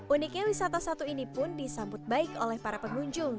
uniknya wisata satu ini pun disambut baik oleh para pengunjung